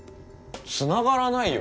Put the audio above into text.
つながらないよ！